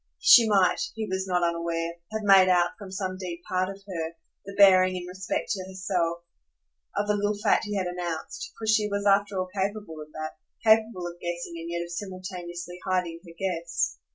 She might, he was not unaware, have made out, from some deep part of her, the bearing, in respect to herself, of the little fact he had announced; for she was after all capable of that, capable of guessing and yet of simultaneously hiding her guess.